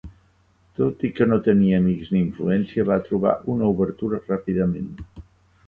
Tot i que no tenia amics ni influència, va trobar una obertura ràpidament.